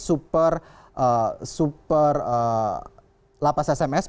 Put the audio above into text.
super lapas sms